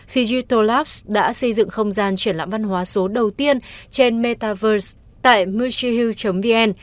fijitolabs đã xây dựng không gian triển lãm văn hóa số đầu tiên trên metaverse tại muxihu vn